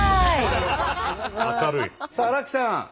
さあ荒木さん